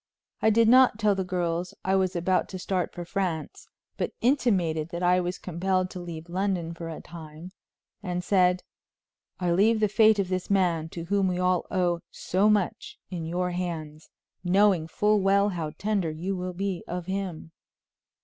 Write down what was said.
I did not tell the girls I was about to start for France, but intimated that I was compelled to leave London for a time, and said: "I leave the fate of this man, to whom we all owe so much, in your hands, knowing full well how tender you will be of him."